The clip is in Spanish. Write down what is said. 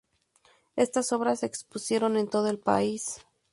Estas obras se expusieron en todo el país.